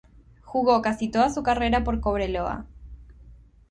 Jugó casi toda su carrera por Cobreloa.